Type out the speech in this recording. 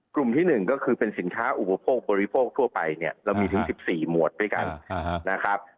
กลุ่มที่๑ก็คือเป็นสินค้าอุปโภคบริโภคทั่วไปเนี่ยเรามีถึง๑๔หมวดด้วยกันนะครับ